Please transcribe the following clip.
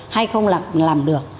hay không làm được